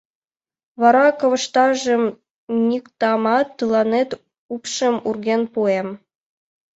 Вара коваштыжым ньыктамат, тыланет упшым урген пуэм.